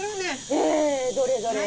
えどれどれ？